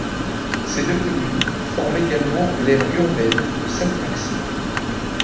Ces deux communes forment également l’aire urbaine de Sainte-Maxime.